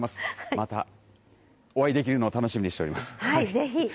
またお会いできるのを楽しみにしはい、ぜひ。